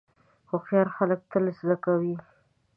هوښیار خلک تل زده کوي.